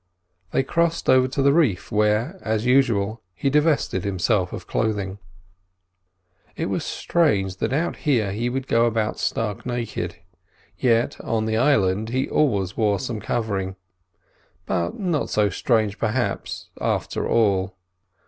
They crossed over to the reef, where, as usual, he divested himself of clothing. It was strange that out here he would go about stark naked, yet on the island he always wore some covering. But not so strange, perhaps, after all.